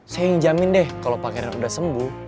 saya yang jamin deh kalau pangeran udah sembuh